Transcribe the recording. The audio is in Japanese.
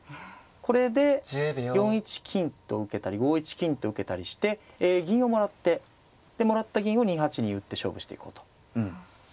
これで４一金と受けたり５一金と受けたりして銀をもらってでもらった銀を２八に打って勝負していこうと。